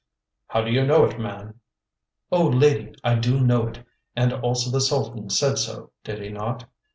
"How do you know it, man?" "O Lady, I do know it, and also the Sultan said so, did he not?